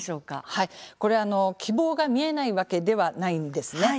はいこれあの希望が見えないわけではないんですね。